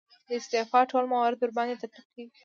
د استعفا ټول موارد ورباندې تطبیق کیږي.